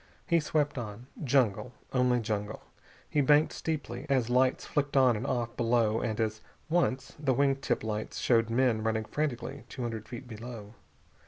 He swept on. Jungle, only jungle. He banked steeply as lights flicked on and off below and as once the wing tip lights showed men running frantically two hundred feet below.